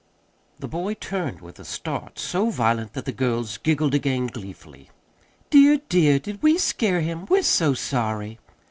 The boy turned with a start so violent that the girls giggled again gleefully. "Dear, dear, did we scare him? We're so sorry!"